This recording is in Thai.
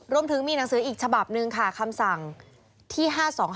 รวมถึงมีหนังสืออีกฉบับหนึ่งค่ะคำสั่งที่๕๒๕